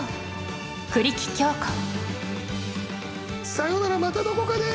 さよならまたどこかで！